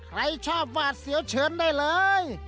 ใครชอบหวาดเสียวเชิญได้เลย